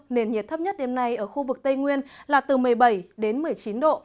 nền nhiệt thấp nhất đêm nay ở khu vực tây nguyên là từ một mươi bảy đến một mươi chín độ